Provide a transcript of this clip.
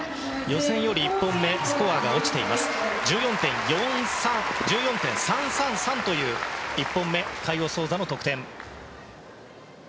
予選より１本目はスコアが落ちて１４．３３３という１本目、カイオ・ソウザの得点。